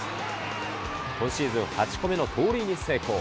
今シーズン８個目の盗塁に成功。